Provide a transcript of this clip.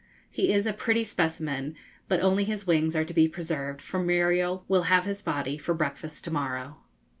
He is a pretty specimen, but only his wings are to be preserved, for Muriel will have his body for breakfast to morrow.